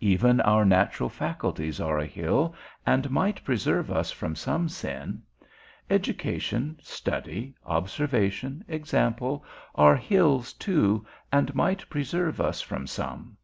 Even our natural faculties are a hill, and might preserve us from some sin. Education, study, observation, example, are hills too, and might preserve us from some.